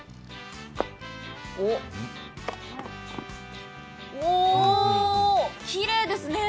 おおー、きれいですね。